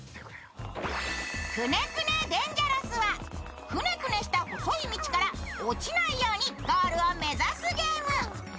「くねくねデンジャラス」はくねくねした細い道から落ちないようにゴールを目指すゲーム。